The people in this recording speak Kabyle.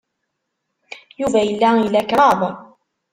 Yuba yella ila kraḍ.